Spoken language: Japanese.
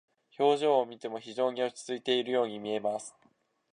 表情を見ても非常に落ち着いているように見えます。